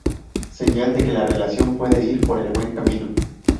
Señal de que la relación puede ir por el buen camino.